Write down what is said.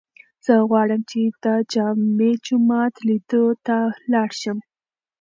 زه غواړم چې د جامع جومات لیدو ته لاړ شم.